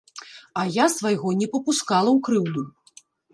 А я свайго не папускала ў крыўду!